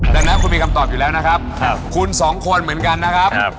ดังนั้นคุณมีคำตอบอยู่แล้วนะครับคุณสองคนเหมือนกันนะครับ